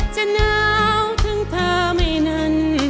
จะหนาวถึงเธอไม่นั้น